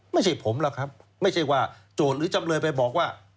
ไม่ใช่ผมหรอกครับไม่ใช่ว่าโจทย์หรือจำเลยไปบอกว่า